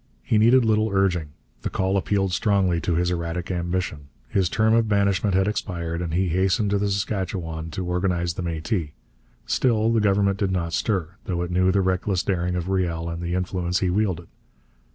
He needed little urging. The call appealed strongly to his erratic ambition. His term of banishment had expired, and he hastened to the Saskatchewan to organize the Métis. Still the Government did not stir, though it knew the reckless daring of Riel and the influence he wielded.